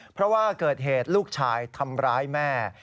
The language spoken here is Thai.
เพราะว่าเกิดเหตุลูกชายทำร้ายแม่